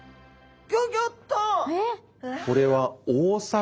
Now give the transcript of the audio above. ギョギョッと。